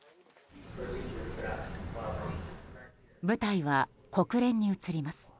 舞台は国連に移ります。